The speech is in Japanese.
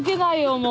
もう。